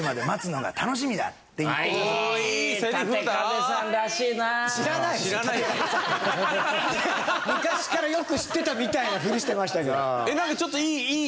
昔からよく知ってたみたいなフリしてましたけど。